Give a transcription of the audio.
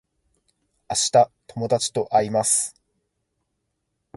明日友達と会います